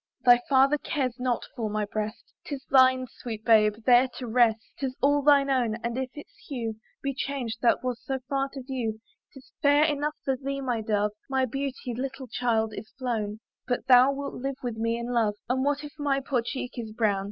Thy father cares not for my breast, 'Tis thine, sweet baby, there to rest: 'Tis all thine own! and if its hue Be changed, that was so fair to view, 'Tis fair enough for thee, my dove! My beauty, little child, is flown; But thou wilt live with me in love, And what if my poor cheek be brown?